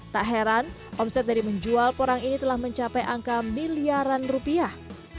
tak heran omset dari menjual porang ini telah mencapai angka miliaran rupiah